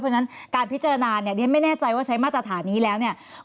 เพราะฉะนั้นการพิจารณาไม่แน่ใจว่าใช้มาตรฐานี้แล้ว